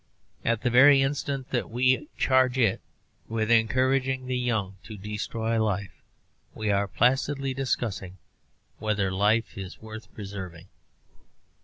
At the very instant that we charge it with encouraging the young to destroy life, we are placidly discussing whether life is worth preserving.